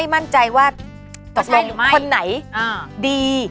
โอ้ยเรียกว่าดี